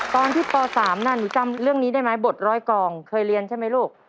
ตอนที่ป๓น่ะหนูจำเรื่องนี้ได้ไหมบทร้อยกองเคยเรียนใช่ไหมลูก